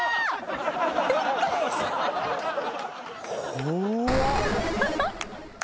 怖っ。